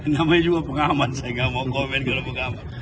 namanya juga pengamat saya gak mau komen kalau bukan